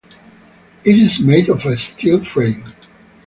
It is made of a steel frame.